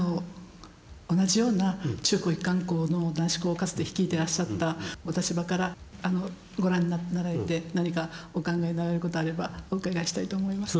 同じような中高一貫校の男子校をかつて率いてらっしゃったお立場からご覧になられて何かお考えになられることあればお伺いしたいと思います。